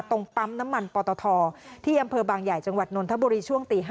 ปั๊มน้ำมันปตทที่อำเภอบางใหญ่จังหวัดนนทบุรีช่วงตี๕